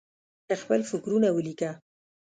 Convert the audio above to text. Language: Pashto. خپل فکرونه ولیکه.